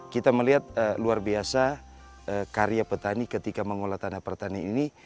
kita melihat luar biasa karya petani ketika mengolah tanah pertanian ini